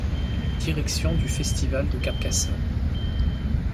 Direction du Festival de Carcassonne.